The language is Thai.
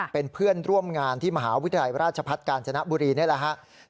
เป็นเพื่อนร่วมงานที่มหาวิทยาลัยราชพัฒน์กาญจนบุรีนี่แหละครับ